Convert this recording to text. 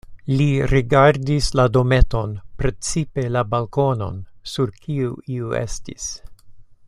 Li rigardis la dometon, precipe la balkonon, sur kiu iu estis.